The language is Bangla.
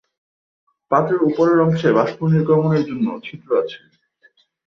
পাত্রের উপরের অংশে বাষ্প নির্গমনের জন্য ছিদ্র আছে।